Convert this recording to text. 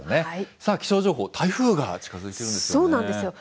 さあ、気象情報、台風が近づいているんですよね。